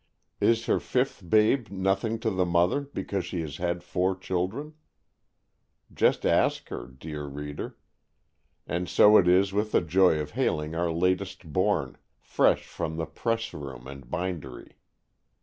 Is her fifth babe nothing to the mother, because she has had four children? Just ask her, dear reader! And so is it with the joy of hailing our latest born, fresh from the press room and bindery!